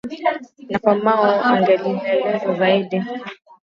na Famau angenielezea zaidi